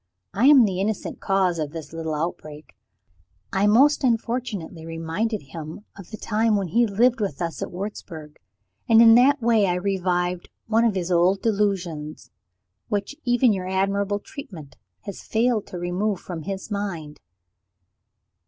I am the innocent cause of his little outbreak. I most unfortunately reminded him of the time when he lived with us at Wurzburg and in that way I revived one of his old delusions, which even your admirable treatment has failed to remove from his mind."